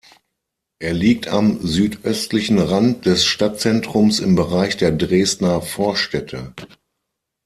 Er liegt am südöstlichen Rand des Stadtzentrums im Bereich der Dresdner Vorstädte.